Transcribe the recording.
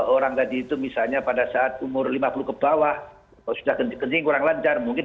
orang tadi itu misalnya pada saat umur lima puluh ke bawah sudah kencing kencing kurang lancar mungkin